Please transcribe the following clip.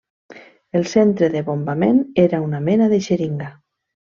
El centre del bombament era una mena de xeringa.